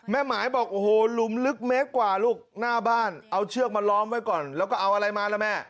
หมายบอกโอ้โหหลุมลึกเมตรกว่าลูกหน้าบ้านเอาเชือกมาล้อมไว้ก่อนแล้วก็เอาอะไรมาล่ะแม่